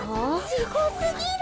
すごすぎる。